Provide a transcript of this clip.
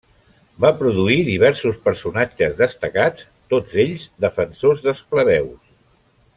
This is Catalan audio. Va produir diversos personatges destacats, tots ells defensors dels plebeus.